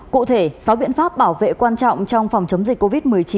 cụ thể sáu biện pháp bảo vệ quan trọng trong phòng chống dịch covid một mươi chín